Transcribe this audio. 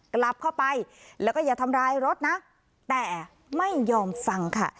กลับเข้าไปแล้วก็อย่าทำร้ายรถนะแต่ไม่ยอมฟังค่ะ